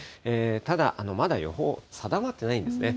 ただ、まだ予報定まっていないんですね。